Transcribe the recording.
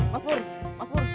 mas pur mas pur